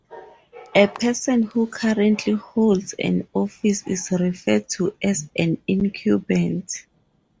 A person who currently holds an office is referred to as an incumbent.